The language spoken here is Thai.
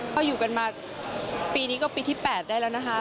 เขาอยู่กันมาปีนี้ก็ปีที่๘ได้แล้วนะคะ